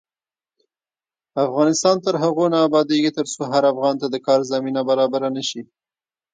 افغانستان تر هغو نه ابادیږي، ترڅو هر افغان ته د کار زمینه برابره نشي.